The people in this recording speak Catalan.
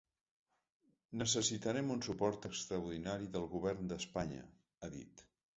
Necessitarem un suport extraordinari del govern d’Espanya, ha dit.